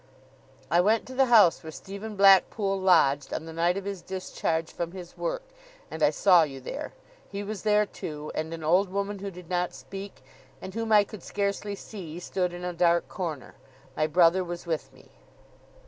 'I went to the house where Stephen Blackpool lodged, on the night of his discharge from his work, and I saw you there. He was there too; and an old woman who did not speak, and whom I could scarcely see, stood in a dark corner. My brother was with me.